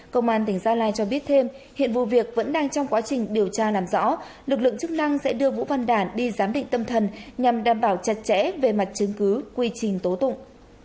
công an tỉnh gia lai cho biết thêm hiện vụ việc vẫn đang trong quá trình điều tra làm rõ lực lượng chức năng sẽ đưa vũ văn đàn đi giám định tâm thần nhằm đảm bảo chặt chẽ về mặt chứng cứ quy trình tố tụng